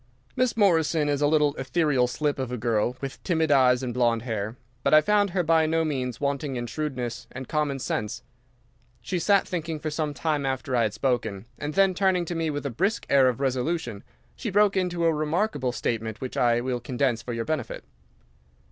"Miss Morrison is a little, ethereal slip of a girl, with timid eyes and blonde hair, but I found her by no means wanting in shrewdness and common sense. She sat thinking for some time after I had spoken, and then, turning to me with a brisk air of resolution, she broke into a remarkable statement which I will condense for your benefit.